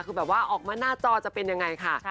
คือแบบว่าออกมาหน้าจอจะเป็นยังไงค่ะ